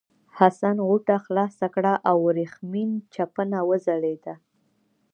حسن غوټه خلاصه کړه او ورېښمین چپنه وځلېده.